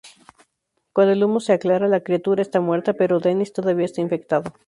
Cuando el humo se aclara, la criatura está muerta, pero Dennis todavía está infectado.